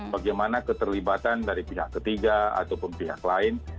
bagaimana keterlibatan dari pihak ketiga ataupun pihak lain